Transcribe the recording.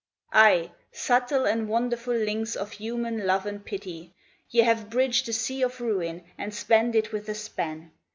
Aye, subtle and wonderful links of human love and pity, Ye have bridged the sea of ruin, and spanned it with a span!